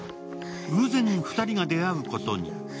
偶然、２人が出会うことに。